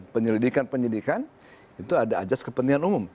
penyelidikan penyidikan itu ada ajas kepentingan umum